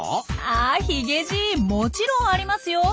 あヒゲじいもちろんありますよ。